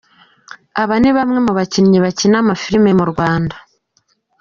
Aba nibamwe mu bakinnyi bakina amafilme mu Rwanda